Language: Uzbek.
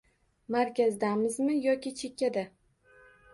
Markazdamizmi yoki chekada?